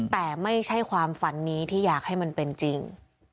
แต่ไม่ใช่ความฝันนี้ที่อยากให้มันเป็นจริง